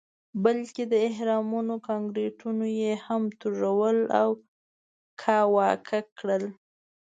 بلکې د اهرامونو کانکریټونه یې هم توږل او کاواکه کړل.